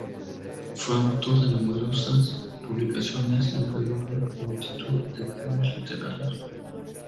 Fue autor de numerosas publicaciones y acreedor de multitud de premios literarios.